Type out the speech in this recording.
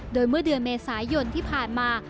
โดยเมื่อเดือนเมษายนที่ผ่านมา